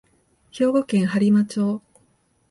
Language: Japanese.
兵庫県播磨町